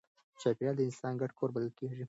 چاپېریال د انسان ګډ کور بلل کېږي.